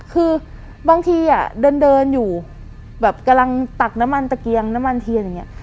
คือบางทีอ่ะเดินอยู่แบบกำลังตักน้ำมันตะเกียงน้ำมันเทียนอย่างนี้